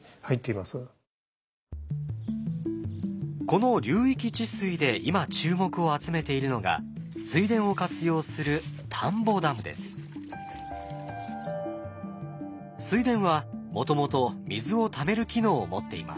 この流域治水で今注目を集めているのが水田を活用する水田はもともと水をためる機能を持っています。